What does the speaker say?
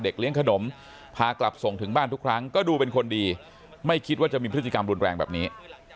เลี้ยงขนมพากลับส่งถึงบ้านทุกครั้งก็ดูเป็นคนดีไม่คิดว่าจะมีพฤติกรรมรุนแรงแบบนี้